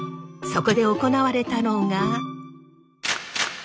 そこで行われたのが。